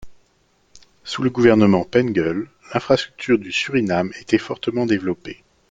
Sous le gouvernement Pengel, l'infrastructure du Suriname était fortement développée.